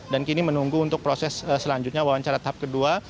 dan kini menunggu untuk proses selanjutnya wawancara tahap kedua